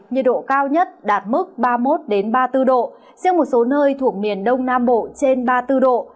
nhiệt độ cao nhất đạt mức ba mươi một ba mươi bốn độ riêng một số nơi thuộc miền đông nam bộ trên ba mươi bốn độ